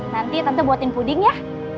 nanti tentu buatin puding ya